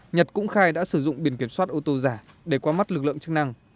nhật cũng khai đã sử dụng biển kiểm soát ô tô giả để qua mắt lực lượng chức năng